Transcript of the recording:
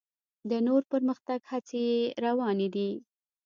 د نور پرمختګ هڅې یې روانې دي.